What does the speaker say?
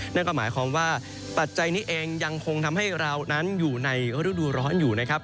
นั่นก็หมายความว่าปัจจัยนี้เองยังคงทำให้เรานั้นอยู่ในฤดูร้อนอยู่นะครับ